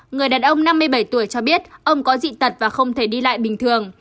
người đàn ông năm mươi bảy tuổi cho biết ông có dị tật và không thể đi lại bình thường